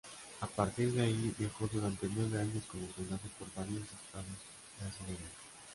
A partir de ahí, viajó durante nueve años como soldado por varios Estados brasileños.